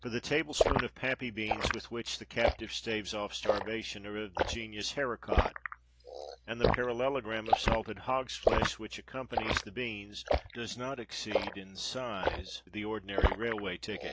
For the tablespoonful of pappy beans with which the captive staves off starvation are of the genus "haricot"; and the parallelogram of salted hog's flesh which accompanies the beans does not exceed, in size, the ordinary railway ticket.